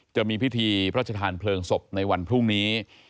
จะมีพิธีพระชธานเพลิงศพในวันพรุ่งนี้